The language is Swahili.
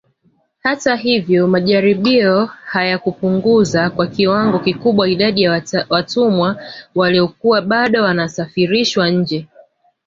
Hata hivyo majaribio hayakupunguza kwa kiwango kikubwa idadi ya watumwa waliokuwa bado wanasafirishwa nje